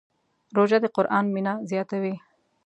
روژه د قرآن مینه زیاتوي.